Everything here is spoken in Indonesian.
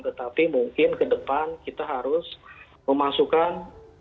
tetapi mungkin ke depan kita harus memasukkan